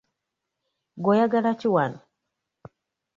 Gwe oyagala ki wano?